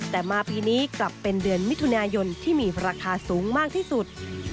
แต่มาปีนี้กลับเป็นเดือนมิถุนายนที่มีราคาสูงมากที่สุด